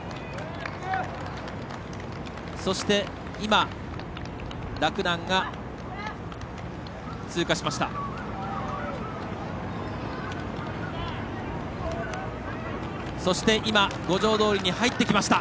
そして、今、洛南が通過しました。